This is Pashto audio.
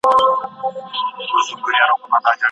پښتو به په مصنوعي ځیرکتیا کې یو مهم ځای ولري.